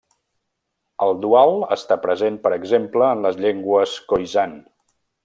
El dual està present per exemple en les llengües Khoisan.